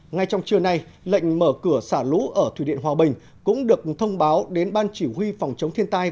ngay trong trưa nay lệnh mở cửa xả lũ ở thủy điện hòa bình cũng được thông báo đến ban chỉ huy phòng chống thiên tai